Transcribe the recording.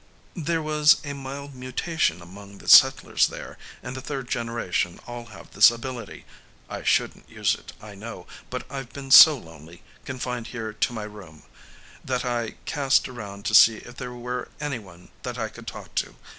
"There was a mild mutation among the settlers there, and the third generation all have this ability. I shouldn't use it, I know, but I've been so lonely, confined here to my room, that I cast around to see if there were anyone that I could talk to.